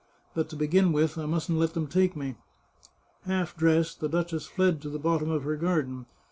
But to begin with, I mustn't let them take me !" Half dressed, the duchess fled to the bottom of her gar den.